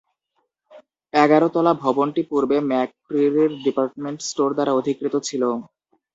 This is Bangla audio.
এগারো তলা ভবনটি পূর্বে ম্যাকক্রিরির ডিপার্টমেন্ট স্টোর দ্বারা অধিকৃত ছিল।